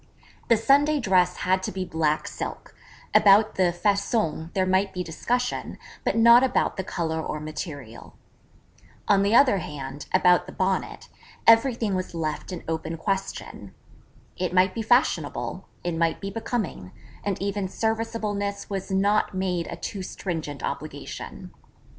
The Sunday Dress had to be black silk about the façon there might be discussion, but not about the colour or material. On the other hand, about the Bonnet, everything was left an open question. It might be fashionable: it might be becoming: and even serviceableness was not made a too stringent obligation.